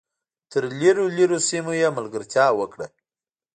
تر لرو لرو سیمو یې ملګرتیا وکړه .